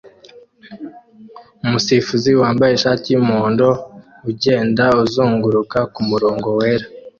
Umusifuzi wambaye ishati yumuhondo ugenda uzunguruka kumurongo wera